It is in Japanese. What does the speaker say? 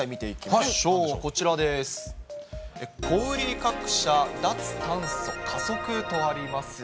小売り各社、脱炭素加速とあります。